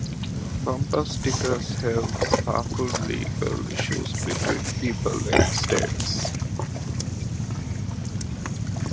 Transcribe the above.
Bumper stickers have sparked legal issues between people and states.